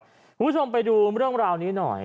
คุณผู้ชมไปดูเรื่องราวนี้หน่อย